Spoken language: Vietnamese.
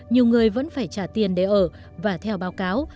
nhiều người vẫn phải trả tiền để ở và theo báo cáo